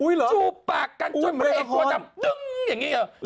จูบปากกันจูบเลขตัวดำตึงอย่างนี้